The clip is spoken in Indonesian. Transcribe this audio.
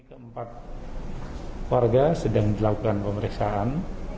keempat warga sedang dilakukan pemeriksaan